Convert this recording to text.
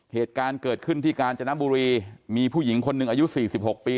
เหตุการณ์เกิดขึ้นที่กาญจนบุรีมีผู้หญิงคนหนึ่งอายุสี่สิบหกปี